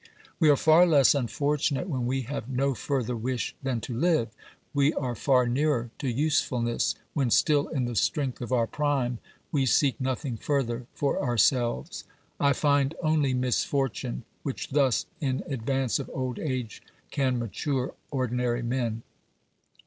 We are far less unfortunate when we have no further wish than to live ; we are far nearer to usefulness, when, still in the strength of our prime, we seek nothing further for ourselves. I find only misfortune which thus, in advance of old age, can mature ordinary men.